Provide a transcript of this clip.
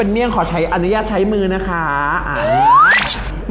อร่อยเชียบแน่นอนครับอร่อยเชียบแน่นอนครับ